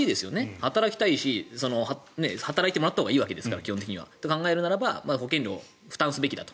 働きたいし働いてもらったほうがいいわけですからって考えるならば保険料を負担すべきだと。